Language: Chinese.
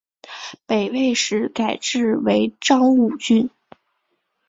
北魏时改置为章武郡。